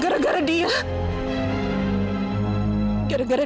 bagi meliputi matahari